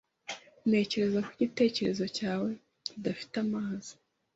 Ntekereza ko igitekerezo cyawe kidafite amazi.